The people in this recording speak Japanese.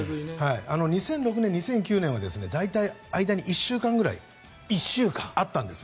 ２００６年、２００９年は間に１週間くらいあったんです。